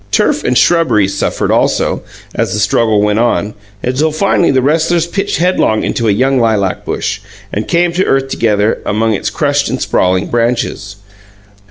Turf and shrubberies suffered, also, as the struggle went on, until finally the wrestlers pitched headlong into a young lilac bush, and came to earth together, among its crushed and sprawling branches.